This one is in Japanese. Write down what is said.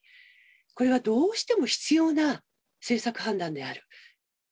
これはどうしても必要な政策判断である。